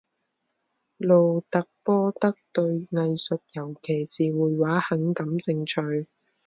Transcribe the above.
路特波德对艺术尤其是绘画很感兴趣。